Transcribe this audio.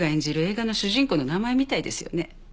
映画の主人公の名前みたいですよね。